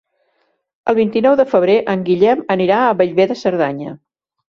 El vint-i-nou de febrer en Guillem anirà a Bellver de Cerdanya.